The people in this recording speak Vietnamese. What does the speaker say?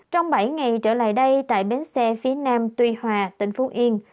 trong bảy ngày trở lại đây tại bến xe phía nam tuy hòa tỉnh phú yên